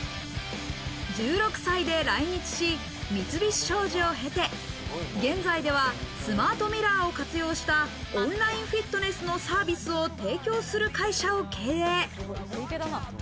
１６歳で来日し、三菱商事を経て、現在ではスマートミラーを活用したオンラインフィットネスのサービスを提供する会社を経営。